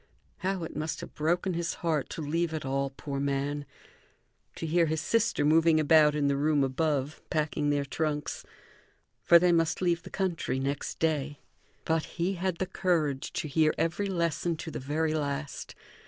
How it must have broken his heart to leave it all, poor man; to hear his sister moving about in the room above, packing their trunks! For they must leave the country next day. But he had the courage to hear every lesson to the very last.